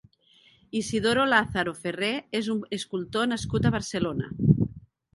Isidoro Lázaro Ferré és un escultor nascut a Barcelona.